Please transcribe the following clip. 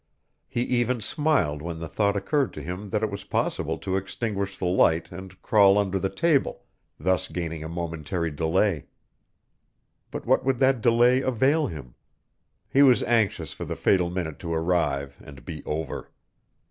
He even smiled when the thought occurred to him that it was possible to extinguish the light and crawl under the table, thus gaining a momentary delay. But what would that delay avail him? He was anxious for the fatal minute to arrive, and be over.